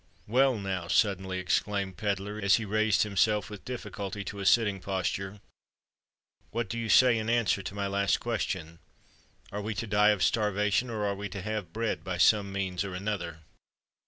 "Well, now," suddenly exclaimed Pedler, as he raised himself with difficulty to a sitting posture, "what do you say in answer to my last question? are we to die of starvation? or are we to have bread by some means or another?"